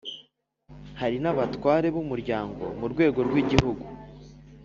hari n’abatware b’umuryango murwego rw’igihugu